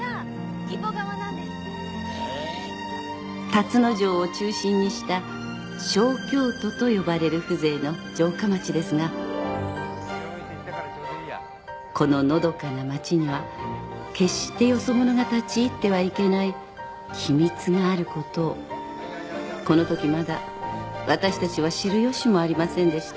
［龍野城を中心にした小京都と呼ばれる風情の城下町ですがこののどかな町には決してよそ者が立ち入ってはいけない秘密があることこのときまだ私たちは知る由もありませんでした］